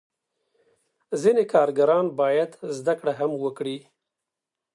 ځینې کارګران باید زده کړه هم وکړي.